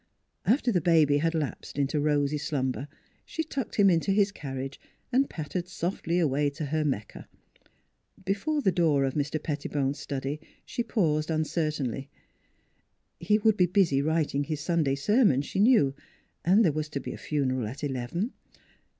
After the baby had lapsed into rosy slumber she tucked him into his carriage and pattered softly away to her Mecca: before the door of Mr. Pettibone's study she paused uncertainly. He would be busy writing his Sunday ser mon, she knew, and there was to be a funeral at eleven.